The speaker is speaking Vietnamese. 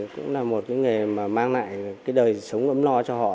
cũng là một cái nghề mà mang lại cái đời sống ấm lo cho họ